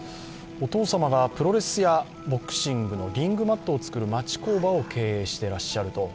お父様がプロレスやボクシングのリングマットを作る町工場を経営していらっしゃると。